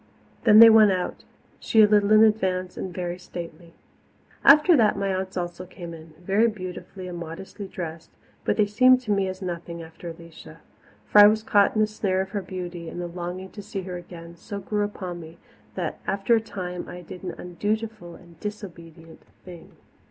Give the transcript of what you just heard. Then they went out, she a little in advance and very stately. After that my aunts also came in, very beautifully and modestly dressed, but they seemed to me as nothing after Alicia. For I was caught in the snare of her beauty, and the longing to see her again so grew upon me that after a time I did an undutiful and disobedient thing.